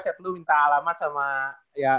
chat lu minta alamat sama ya